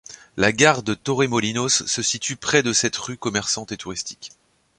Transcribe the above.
La gare de Torremolinos se situe près de cette rue commerçante et touristique.